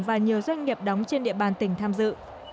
và nhiều doanh nghiệp đóng trên địa bàn tỉnh tham dự